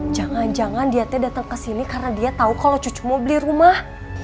jangan jangan diate dateng kesini karena dia tau kalo cucu mau beli rumah